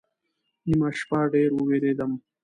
نیمه شپه ډېر ووېرېدم